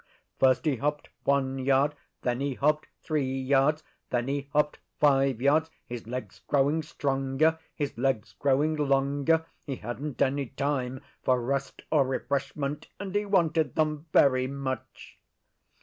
First he hopped one yard; then he hopped three yards; then he hopped five yards; his legs growing stronger; his legs growing longer. He hadn't any time for rest or refreshment, and he wanted them very much.